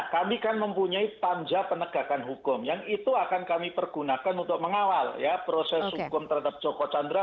kami kan mempunyai panja penegakan hukum yang itu akan kami pergunakan untuk mengawal ya proses hukum terhadap joko chandra